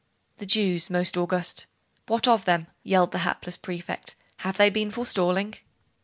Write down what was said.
'The Jews, most August ' 'What of them?' yelled the hapless Prefect. 'Have they been forestalling?